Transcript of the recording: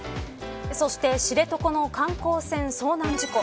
そして知床の観光船遭難事故。